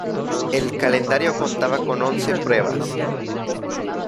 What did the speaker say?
El calendario contaba con once pruebas.